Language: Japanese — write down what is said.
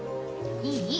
いい。